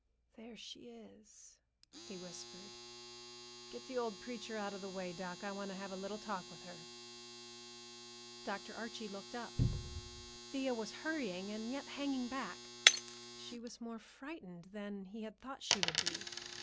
"There she is," he whispered. "Get the old preacher out of the way, doc. I want to have a little talk with her." Dr. Archie looked up. Thea was hurrying and yet hanging back. She was more frightened than he had thought she would be.